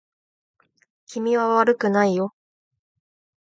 君は悪くないよ